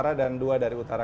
kita muasara ngutuk